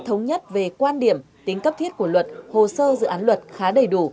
thống nhất về quan điểm tính cấp thiết của luật hồ sơ dự án luật khá đầy đủ